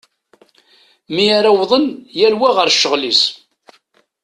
Mi ara wwḍen yal wa ɣer ccɣel-is.